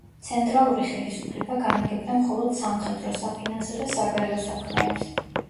ცენტრალური ხელისუფლება განაგებდა მხოლოდ სამხედრო, საფინანსო და საგარეო საქმეებს.